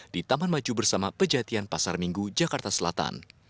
di taman maju bersama pejatian pasar minggu jakarta selatan